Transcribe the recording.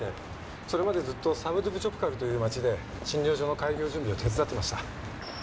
それまでずっとサムドゥプジョンカルという町で診療所の開業準備を手伝ってました。